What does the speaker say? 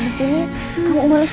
diantara teman negara